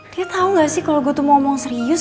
dia tau gak sih kalo gue tuh mau ngomong serius